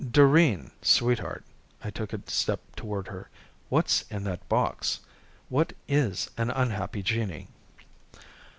"Doreen, sweetheart " I took a step toward her "what's in that box? What is an unhappy genii?"